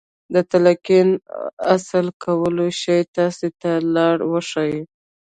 د تلقين اصل کولای شي تاسې ته لار وښيي.